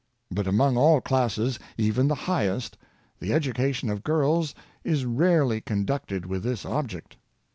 But among all classes, even the highest, the education of girls is rarely conducted with this object.